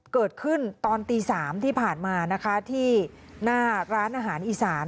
เกิดขึ้นตอนตี๓ที่ผ่านมานะคะที่หน้าร้านอาหารอีสาน